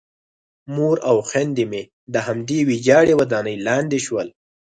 مور او خویندې مې د همدې ویجاړې ودانۍ لاندې شول